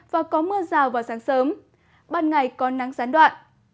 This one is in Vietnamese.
và có mưa rào vào sáng sớm ban ngày có nắng gián đoạn